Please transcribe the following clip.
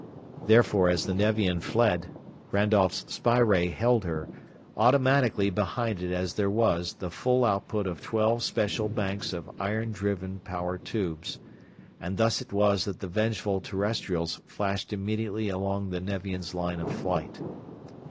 Therefore as the Nevian fled, Randolph's spy ray held her, automatically behind it as there was the full output of twelve special banks of iron driven power tubes; and thus it was that the vengeful Terrestrials flashed immediately along the Nevians' line of flight.